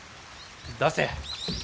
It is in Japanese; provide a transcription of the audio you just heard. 出せ。